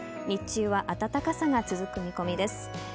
日中は暖かさが続く見込みです。